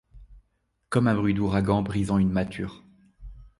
Comme un bruit d’ouragan brisant une mâture